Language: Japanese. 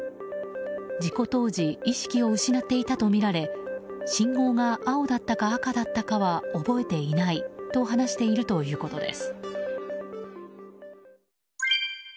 事故当時意識を失っていたとみられ信号が青だったか赤だったかは覚えていないと話しているということです。